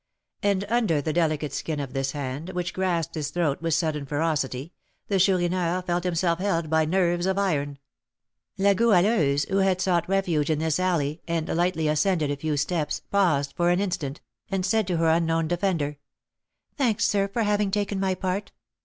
And under the delicate skin of this hand, which grasped his throat with sudden ferocity, the Chourineur felt himself held by nerves of iron. The Goualeuse, who had sought refuge in this alley, and lightly ascended a few steps, paused for an instant, and said to her unknown defender, "Thanks, sir, for having taken my part.